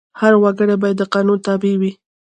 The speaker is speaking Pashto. هر وګړی باید د قانون تابع وي.